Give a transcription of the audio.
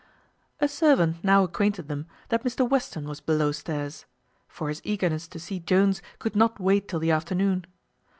A servant now acquainted them that Mr Western was below stairs; for his eagerness to see Jones could not wait till the afternoon.